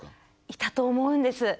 いたと思うんです。